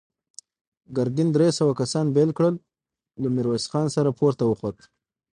ګرګين درې سوه کسان بېل کړل، له ميرويس خان سره پورته وخوت.